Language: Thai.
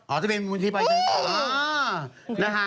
เอาทะเบียนบุญนิทธิปรติ๊กตึ้งอ๋อนะฮะ